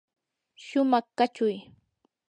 shumaq kachuy.